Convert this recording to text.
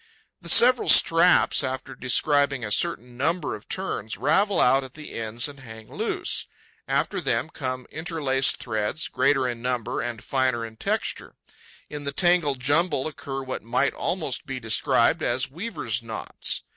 The several straps, after describing a certain number of turns, ravel out at the ends and hang loose. After them come interlaced threads, greater in number and finer in texture. In the tangled jumble occur what might almost be described as weaver's knots.